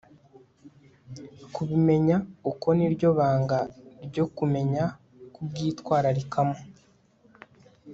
kubimenya uko ni ryo banga ryo kumenya kubwitwararikamo